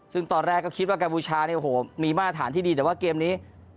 ซึ่งตอนแรกก็คิดว่ากัมพูชาเนี่ยโอ้โหมีมาตรฐานที่ดีแต่ว่าเกมนี้